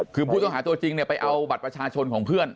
คือผู้ต้องหาตัวจริงเนี่ยไปเอาบัตรประชาชนของเพื่อน